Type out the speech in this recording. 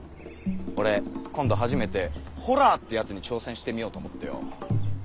俺今度初めて「ホラー」ってやつに挑戦してみようと思ってよ。